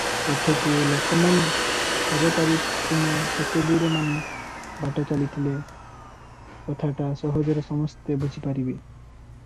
ଏଥକୁ ଲୋକମାନେ ସରକାରୀ ହୁକୁମ କେତେଦୂର ମାନି ବାଟ ଚାଲିଥିଲେ କଥାଟା ସହଜରେ ସମସ୍ତେ ବୁଝିପାରିବେ ।